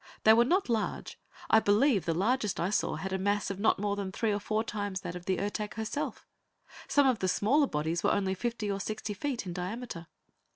They were not large; I believe the largest I saw had a mass of not more than three or four times that of the Ertak herself. Some of the smaller bodies were only fifty or sixty feet in diameter.